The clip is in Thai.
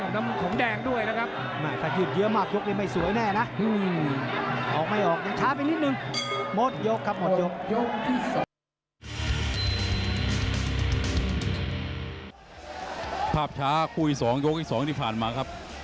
ขับช้าครู่อีก๒ยกอีก๒อันนี้ผ่านมาครับ